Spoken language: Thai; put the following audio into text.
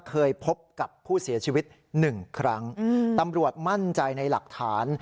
เคยพบกับผู้เสียชีวิตหนึ่งครั้งตำรวจมั่นใจในหลักฐาน